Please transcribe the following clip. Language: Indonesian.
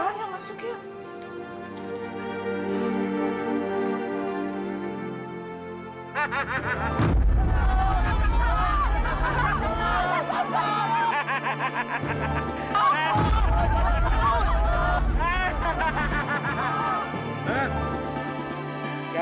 ayo masuk yuk